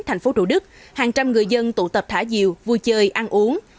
thành phố thủ đức hàng trăm người dân tụ tập thả diều vui chơi ăn uống